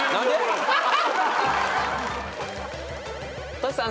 トシさん